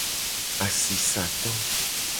Asisato.